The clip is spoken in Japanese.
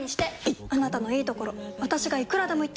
いっあなたのいいところ私がいくらでも言ってあげる！